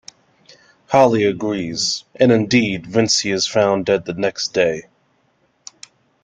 Holly agrees, and indeed Vincey is found dead the next day.